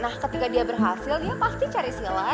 nah ketika dia berhasil dia pasti cari sila